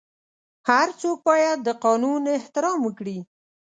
هر څوک باید د قانون احترام وکړي.